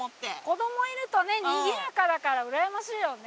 子供いるとねにぎやかだからうらやましいよね。